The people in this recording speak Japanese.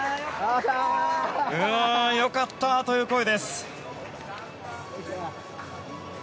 良かった！という橋本の声です。